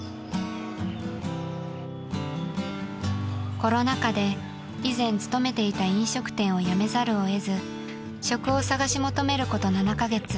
［コロナ禍で以前勤めていた飲食店を辞めざるを得ず職を探し求めること７カ月］